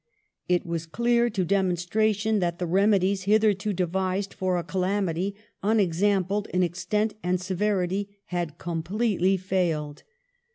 It was clear to demonstration that the remedies hitherto devised for a calamity unexampled in extent and severity had completely failed.